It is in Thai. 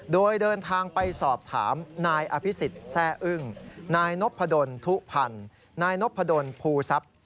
โดยเดินทางไปสอบถามนายอภิษฎแซ่อึ้งนายนพดลทุพันธ์นายนพดลภูทรัพย์